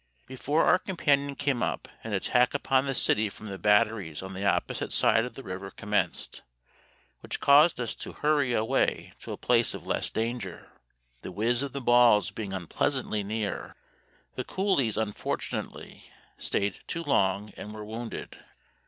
Before our companion came up an attack upon the city from the batteries on the opposite side of the river commenced, which caused us to hurry away to a place of less danger, the whiz of the balls being unpleasantly near. The coolies, unfortunately, stayed too long, and were wounded.